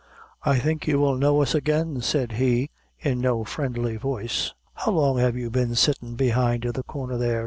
"I think you will know us again," said he in no friendly voice. "How long have you been sittin' behind the corner there?"